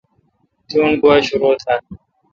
تی اون گوا شرو تھال۔